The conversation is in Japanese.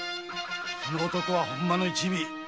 その男は本間の一味。